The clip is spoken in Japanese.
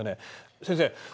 先生。